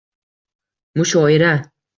Mushoira —